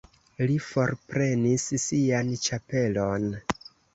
Li forprenis sian ĉapelon.